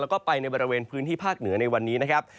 แล้วก็ไปในบริเวณพื้นที่ภาคเหนือในวันนี้นะครับ